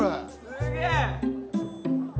すげえ！